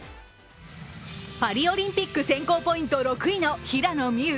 パリオリンピック選考ポイント６位の平野美宇。